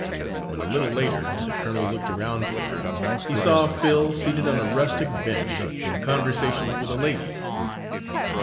When, a little later, the colonel looked around for him, he saw Phil seated on a rustic bench, in conversation with a lady.